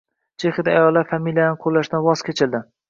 Chexiyada ayollar familiyalarini qo‘llashdan voz kechildi